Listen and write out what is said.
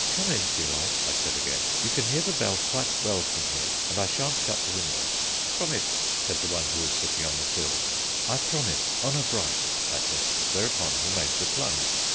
"Come in, if you like," I said again; "you can hear the bell quite well from here, and I shan't shut the window." "Promise!" said the one who was sitting on the sill. "I promise, honour bright," I said, whereupon he made the plunge.